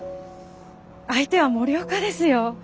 相手は森岡ですよ。